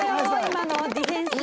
今のディフェンス。